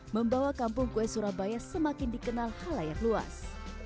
membawa kampung kue surabaya semakin dikenal halaya luas